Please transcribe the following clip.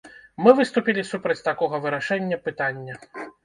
Мы выступілі супраць такога вырашэння пытання.